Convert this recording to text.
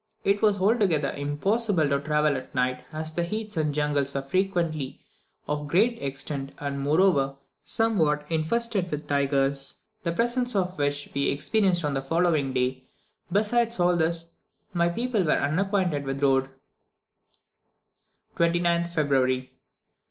It was altogether impossible to travel at night, as the heaths and jungles were frequently of great extent, and moreover, somewhat infested with tigers, the presence of which we experienced on the following day; besides all this, my people were unacquainted with the road. 29th February.